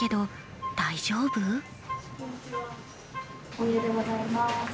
お見えでございます。